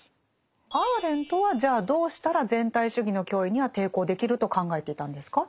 アーレントはじゃあどうしたら全体主義の脅威には抵抗できると考えていたんですか？